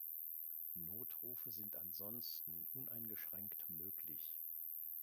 Notrufe sind ansonsten uneingeschränkt möglich.